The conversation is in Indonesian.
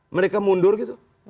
mereka mundur gitu